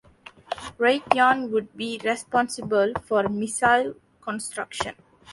Raytheon would be responsible for missile construction.